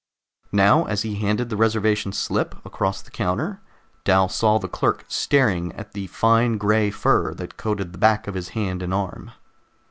Now, as he handed the reservation slip across the counter, Dal saw the clerk staring at the fine gray fur that coated the back of his hand and arm.